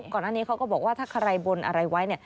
ก่อนหน้านี้เขาก็บอกว่าถ้าคลายบนอะไรไว้